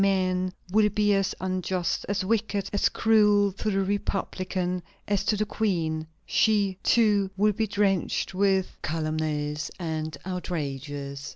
Men will be as unjust, as wicked, as cruel to the republican as to the queen. She, too, will be drenched with calumnies and outrages.